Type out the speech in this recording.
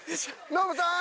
ノブさん！